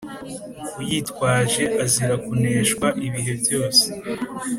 Uyitwaje azira kuneshwa ibihe byose